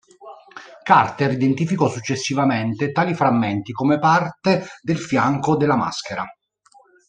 Carter identificò successivamente tali frammenti come parte del fianco della maschera.